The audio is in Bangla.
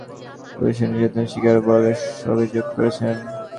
কিন্তু তবুও পাটগ্রামের ছিটের মানুষ পুলিশের নির্যাতনের শিকার বলে অভিযোগ করেছেন।